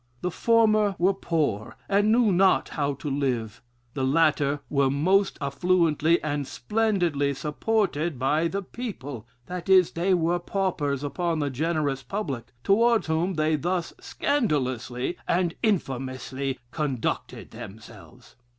"The former were poor, and knew not how to live, the latter were most affluently and splendidly supported by the people that is, they were paupers upon the generous public, towards whom they thus scandalously and infamously conducted themselves.